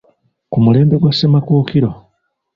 Ku mulembe gwa Ssemakookiro